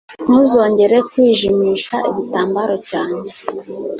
ntuzongere kwijimisha igitambaro cyanjye